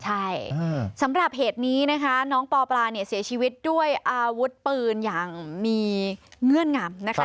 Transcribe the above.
ใช่สำหรับเหตุนี้นะคะน้องปอปลาเนี่ยเสียชีวิตด้วยอาวุธปืนอย่างมีเงื่อนงำนะคะ